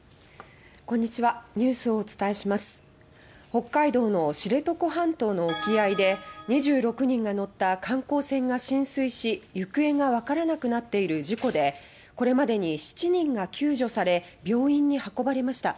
北海道の知床半島の沖合で２６人が乗った観光船が浸水し行方が分からなくなっている事故でこれまでに７人が救助され病院に運ばれました。